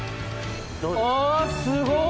あすごい！